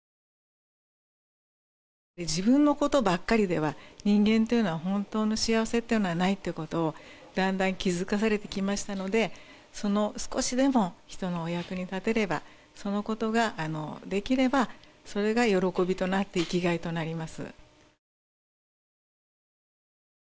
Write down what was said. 自分のことばっかりでは人間っていうのは本当の幸せっていうのはないってことをだんだん気づかされてきましたのでその少しでも人のお役に立てればそのことができればそれが喜びとなって生きがいとなります